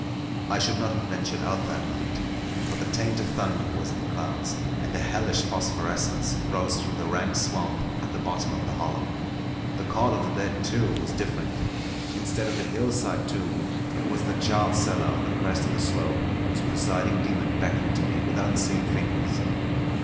I should not have ventured out that night; for the taint of thunder was in the clouds, and a hellish phosphorescence rose from the rank swamp at the bottom of the hollow. The call of the dead, too, was different. Instead of the hillside tomb, it was the charred cellar on the crest of the slope whose presiding daemon beckoned to me with unseen fingers.